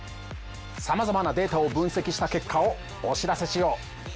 さまざまなデータを分析した結果をお知らせしよう。